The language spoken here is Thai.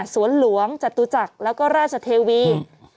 สวนหลวงจตุจักรแล้วก็ราชเทวี